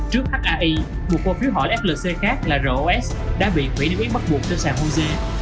trước hi một cổ phiếu hỏi flc khác là ros đã bị hủy niêm yết bắt buộc trên sàn fose